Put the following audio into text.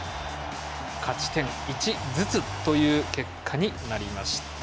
勝ち点１ずつという結果になりました。